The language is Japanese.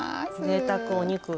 ぜいたくお肉が。